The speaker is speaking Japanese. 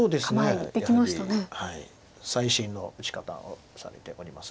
そうですねやはり最新の打ち方をされております。